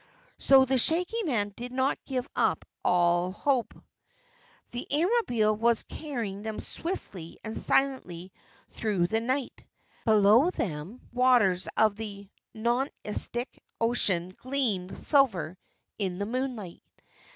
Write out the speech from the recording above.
So, the Shaggy Man didn't give up all hope. The Airmobile was carrying them swiftly and silently through the night. Below them the waters of the Nonestic Ocean gleamed silver in the moonlight.